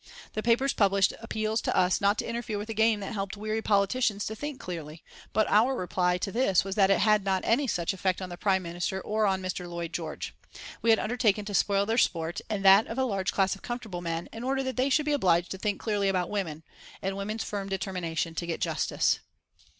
The papers published appeals to us not to interfere with a game that helped weary politicians to think clearly, but our reply to this was that it had not had any such effect on the Prime Minister or Mr. Lloyd George. We had undertaken to spoil their sport and that of a large class of comfortable men in order that they should be obliged to think clearly about women, and women's firm determination to get justice.